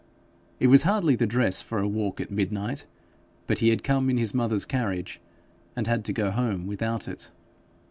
It was hardly the dress for a walk at midnight, but he had come in his mother's carriage, and had to go home without it.